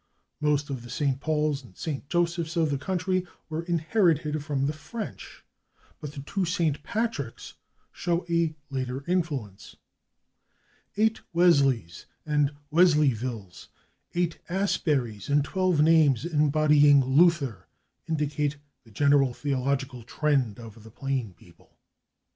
Most of the /St. Pauls/ and /St. Josephs/ of the country were inherited from the French, but the two /St. Patricks/ show a later influence. Eight /Wesleys/ and /Wesleyvilles/, eight /Asburys/ and twelve names embodying /Luther/ indicate the general theological trend of the plain people.